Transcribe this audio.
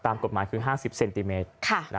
ตามกฎหมายคือ๕๐เซนติเมตร